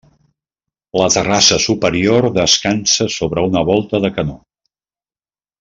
La terrassa superior descansa sobre una volta de canó.